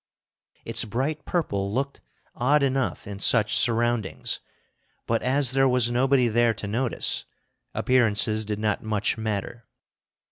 Its bright purple looked odd enough in such surroundings, but as there was nobody there to notice, appearances did not much matter.